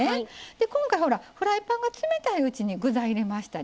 今回ほらフライパンが冷たいうちに具材入れましたでしょ。